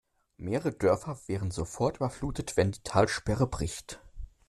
Mehrere Dörfer wären sofort überflutet, wenn die Talsperre bricht.